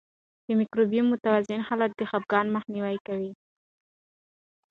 د مایکروبیوم متوازن حالت د خپګان مخنیوی کوي.